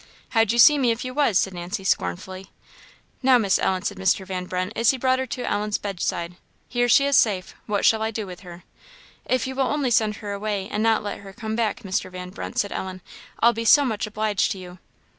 "How'd you see me if you was?" said Nancy, scornfully. "Now, Miss Ellen," said Mr. Van Brunt, as he brought her to Ellen's bedside, "here she is safe; what shall I do with her?" "If you will only send her away, and not let her come back, Mr. Van Brunt," said Ellen, "I'll be so much obliged to you!"